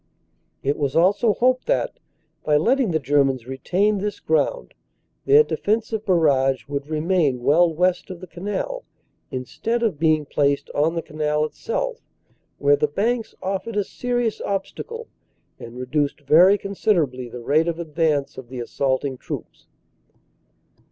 It was also hoped that, by letting the Germans retain this ground, their defensive barrage would remain well west of the Canal instead of being placed on the Canal itself, where the banks offered a serious obstacle and reduced very considerably the rate of advance of the assaulting troops.